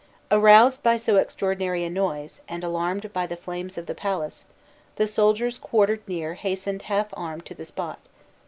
Aroused by so extraordinary a noise, and alarmed by the flames of the palace, the soldiers quartered near hastened half armed to the spot.